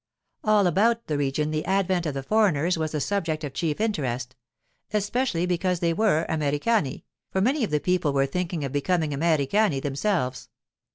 All about that region the advent of the foreigners was the subject of chief interest—especially because they were Americani, for many of the people were thinking of becoming Americani themselves.